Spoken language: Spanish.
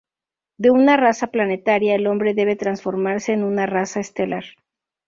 De una raza planetaria el hombre debe transformarse en una raza estelar.